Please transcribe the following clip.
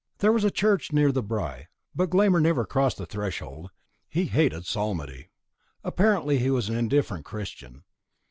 There was a church near the byre, but Glámr never crossed the threshold; he hated psalmody; apparently he was an indifferent Christian.